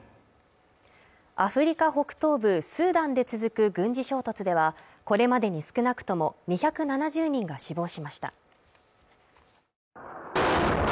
アフリカ北東部スーダンで続く軍事衝突ではこれまでに少なくとも２７０人が死亡しました。